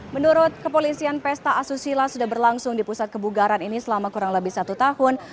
menurut kepolisian pesta asusila sudah berlangsung di pusat kebugaran ini selama kurang lebih satu tahun